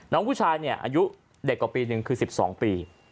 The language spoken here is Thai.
น้องผู้ชายเนี่ยอายุเด็กกว่าปีนึงคือ๑๒ปี